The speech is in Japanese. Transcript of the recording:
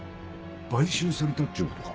買収されたっちゅうことか？